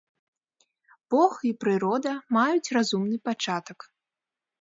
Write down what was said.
Бог і прырода маюць разумны пачатак.